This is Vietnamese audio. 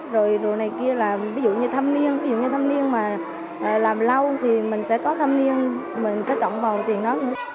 rồi rồi này kia là ví dụ như thăm niên ví dụ như thăm niên mà làm lâu thì mình sẽ có thăm niên mình sẽ trọng vào tiền đó